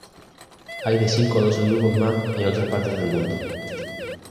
Hay de cinco a doce grupos más en otras partes del mundo.